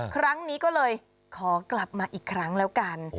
ครั้งนี้ก็เลยขอกลับมาอีกครั้งแล้วกัน